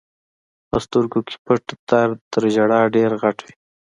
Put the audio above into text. په سترګو کې پټ درد تر ژړا ډېر غټ وي.